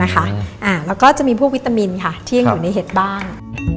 แล้วก็จะมีพวกวิตามินค่ะที่ยังอยู่ในเห็ดบ้าง